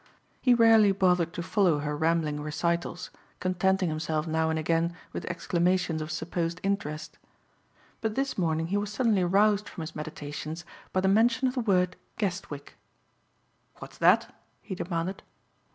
He rarely bothered to follow her rambling recitals, contenting himself now and again with exclamations of supposed interest. But this morning he was suddenly roused from his meditations by the mention of the word Guestwick. "What's that?" he demanded.